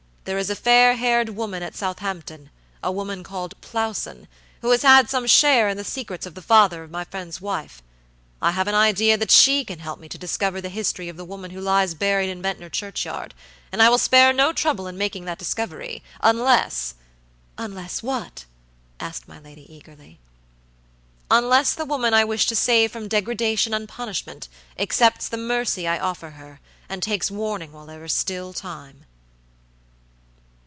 There is a fair haired woman at Southamptona woman called Plowson, who has some share in the secrets of the father of my friend's wife. I have an idea that she can help me to discover the history of the woman who lies buried in Ventnor churchyard, and I will spare no trouble in making that discovery, unless" "Unless what?" asked my lady, eagerly. "Unless the woman I wish to save from degradation and punishment accepts the mercy I offer her, and takes warning while there is still time."